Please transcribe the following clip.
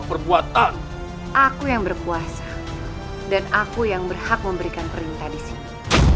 perbuatan aku yang berpuasa dan aku yang berhak memberikan perintah di sini